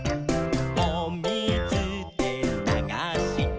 「おみずでながして」